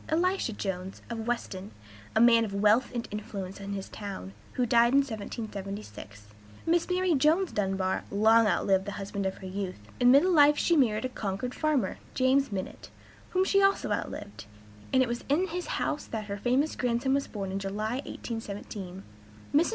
Elisha Jones, of Weston, a man of wealth and influence in his town, who died in 1776. Mrs. Mary (Jones) Dunbar long outlived the husband of her youth; in middle life she married a Concord farmer, Jonas Minott, whom she also outlived; and it was in his house that her famous grandson was born in July, 1817. Mrs.